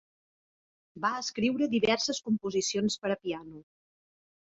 Va escriure diverses composicions per a piano.